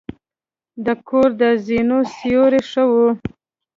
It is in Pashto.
د کور د زینو سیوري ښه وه.